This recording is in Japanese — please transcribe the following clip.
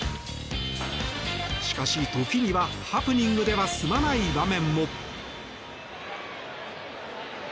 しかし、時にはハプニングでは済まない場面も。